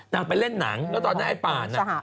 ไปเล่นหนังแล้วตอนนั้นไอ้ป่าน่ะ